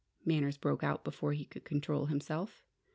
Manners broke out before he could control himself.